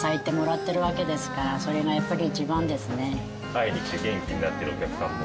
会いに来て元気になってるお客さんも。